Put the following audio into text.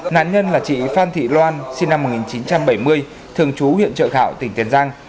nạn nhân là chị phan thị loan sinh năm một nghìn chín trăm bảy mươi thường trú huyện trợ gạo tỉnh tiền giang